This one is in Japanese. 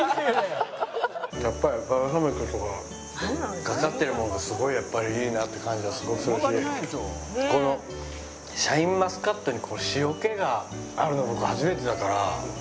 やっぱりバルサミコとかかかってるものがすごいやっぱりいいなって感じがすごくするしこのシャインマスカットに塩気があるの僕初めてだから。